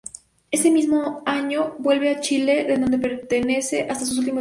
Ese mismo año, vuelve a Chile en donde permanece hasta sus últimos días.